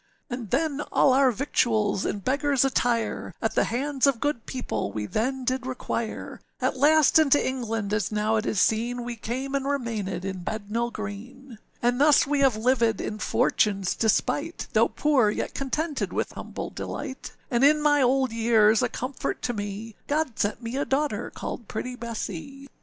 âAnd then all our victuals in beggarâs attire, At the hands of good people we then did require; At last into England, as now it is seen, We came, and remainèd in Bednall Green. âAnd thus we have livèd in Fortuneâs despite, Though poor, yet contented with humble delight, And in my old years, a comfort to me, God sent me a daughter called pretty Bessee.